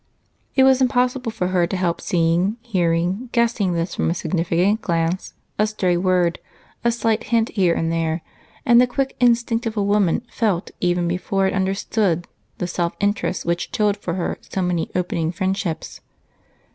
It was impossible for her to help seeing, hearing, guessing this from a significant glance, a stray word, a slight hint here and there, and the quick instinct of a woman felt even before it understood the self interest which chilled for her so many opening friendships.